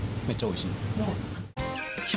めっちゃおいしいです。